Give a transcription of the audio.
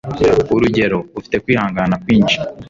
urugero, ufite ukwihangana kwinshi. - franklin p. jones